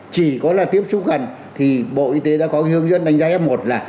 chỉ có là tiếp xúc gần thì bộ y tế đã có hướng dẫn đánh giá f một là